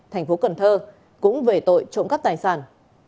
thành phố cần thơ cũng về tội trộm cắp tài sản